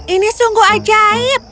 ini sungguh ajaib